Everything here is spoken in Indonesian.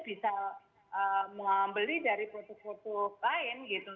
bisa membeli dari produk produk lain gitu